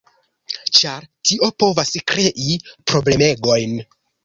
ĉar tio povas krei problemegojn.